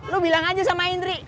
lo bilang aja sama indri